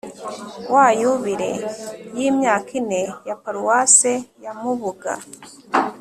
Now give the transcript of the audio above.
wa yubile y’imyaka ine ya paruwasi ya mubuga